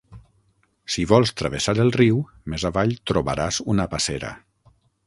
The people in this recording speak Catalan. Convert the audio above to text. Si vols travessar el riu, més avall trobaràs una passera.